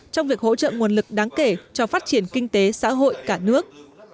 trong việc hỗ trợ nguồn lực đáng kể cho phát triển kinh tế xã hội cả nước